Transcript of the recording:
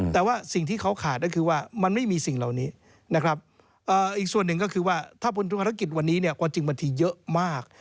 แต่ว่าสิ่งที่เขาขาดก็คือว่ามันไม่มีสิ่งเหล่านี้นะครับอีกส่วนหนึ่งก็คือว่าถ้าบนธุรกิจวันนี้เนี่ยความจริงบางทีเยอะมาก